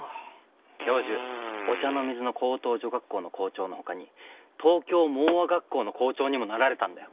教授御茶ノ水の高等女学校の校長のほかに東京盲唖学校の校長にもなられたんだよ。